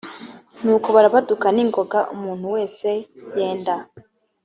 nuko barabaduka n ingoga umuntu wese yenda